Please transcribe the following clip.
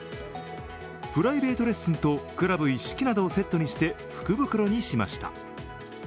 プライベートレッスンとクラブ一式などをセットにして福袋にしました。